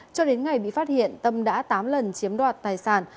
cho đến ngày bị phát hiện tâm đã tám lần chiếm đoạt tài sản